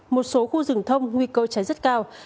một số khu rừng thông nguy cơ cháy rất cao